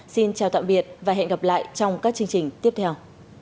xin chào tạm biệt và hẹn gặp lại trong các chương trình tiếp theo